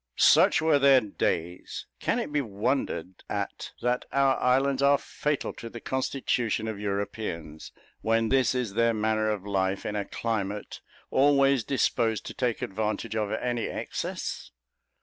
Such were their days; can it be wondered at that our islands are fatal to the constitution of Europeans, when this is their manner of life in a climate always disposed to take advantage of any excess?